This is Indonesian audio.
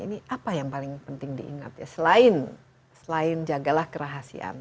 ini apa yang paling penting diingat ya selain jagalah kerahasiaan